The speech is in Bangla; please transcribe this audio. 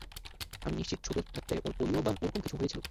আমি নিশ্চিত ছোট থাকতে ওর পোলিও বা এরকম কিছু হয়েছিল।